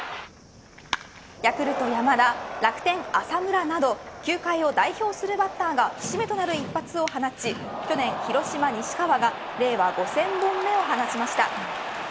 ヤクルト山田、楽天浅村など球界を代表するバッターが節目となる一発を放ち去年、広島西川が令和５０００本目を放ちました。